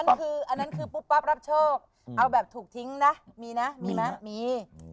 อันนั้นคือปุ๊บป๊อบรับโชคเอาแบบถูกทิ้งนะมีนะมี